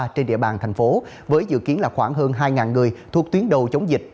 tại bàn thành phố với dự kiến là khoảng hơn hai người thuộc tuyến đầu chống dịch